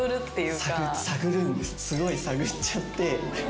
すごい探っちゃって。